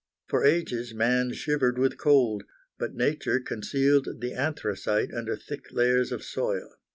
For ages man shivered with cold, but nature concealed the anthracite under thick layers of soil.